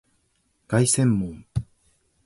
凱旋門